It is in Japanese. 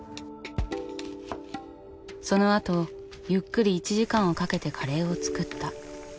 そのあとゆっくり１時間をかけてカレーを作った。